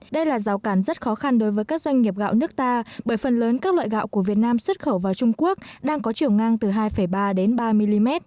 đây là rào cản rất khó khăn đối với các doanh nghiệp gạo nước ta bởi phần lớn các loại gạo của việt nam xuất khẩu vào trung quốc đang có chiều ngang từ hai ba đến ba mm